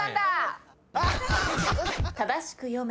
正しく読め。